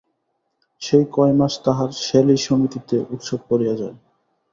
সেই কয় মাস তাঁহার শ্যালী-সমিতিতে উৎসব পড়িয়া যায়।